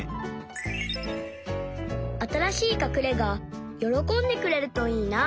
「あたらしいかくれがよろこんでくれるといいな」。